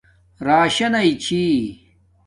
راشنئ چھی